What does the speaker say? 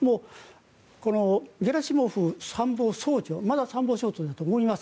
このゲラシモフ参謀総長まだ参謀総長だと思います。